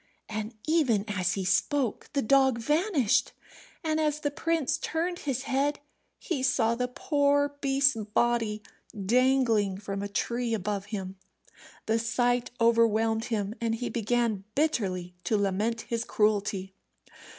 And even as he spoke the dog vanished, and as the prince turned his head he saw the poor beast's body dangling from a tree above him. The sight overwhelmed him, and he began bitterly to lament his cruelty.